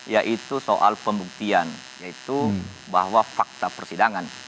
yaitu soal pembuktian yaitu bahwa fakta persidangan